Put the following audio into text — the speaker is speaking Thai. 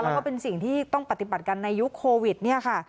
แล้วก็เป็นสิ่งที่ต้องปฏิบัติกันในยุคโควิดเนี่ยค่ะ